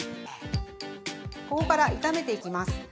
◆ここから炒めていきます。